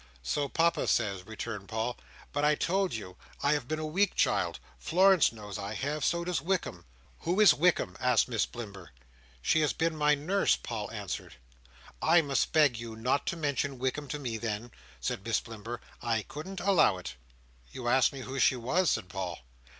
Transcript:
"So Papa says," returned Paul; "but I told you—I have been a weak child. Florence knows I have. So does Wickam." "Who is Wickam?" asked Miss Blimber. "She has been my nurse," Paul answered. "I must beg you not to mention Wickam to me, then," said Miss Blimber. "I couldn't allow it". "You asked me who she was," said Paul.